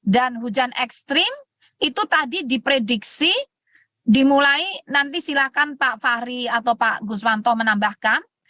dan hujan ekstrim itu tadi diprediksi dimulai nanti silakan pak fahri atau pak guswanto menambahkan